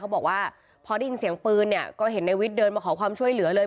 บอกว่าพอได้ยินเสียงปืนเนี่ยก็เห็นในวิทย์เดินมาขอความช่วยเหลือเลย